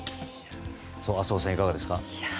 浅尾さん、いかがですか。